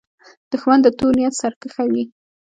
دښمن د تور نیت سرکښه وي